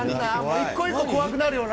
一個一個怖くなるよな。